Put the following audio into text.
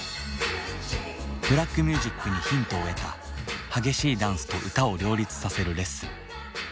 ブラックミュージックにヒントを得た激しいダンスと歌を両立させるレッスン。